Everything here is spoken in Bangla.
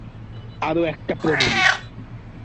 আরও একটা প্রমাণ।